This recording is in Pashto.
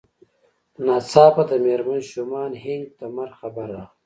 ناڅاپه د مېرمن شومان هينک د مرګ خبر راغی.